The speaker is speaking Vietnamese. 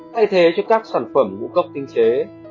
thay thế cho các sản phẩm ngũ cốc tinh chế